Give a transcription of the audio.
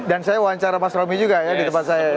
dan saya wawancara mas romi juga ya di tempat saya